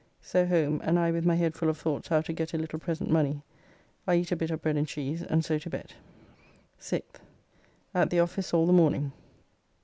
So home, and I with my head full of thoughts how to get a little present money, I eat a bit of bread and cheese, and so to bed. 6th. At the office all the morning.